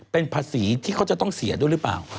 เป็นภาษีที่เขาจะต้องเสียด้วยหรือเปล่า